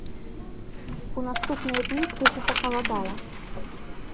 У наступныя дні крыху пахаладае.